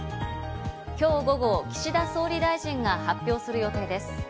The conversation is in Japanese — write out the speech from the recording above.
今日午後、岸田総理大臣が発表する予定です。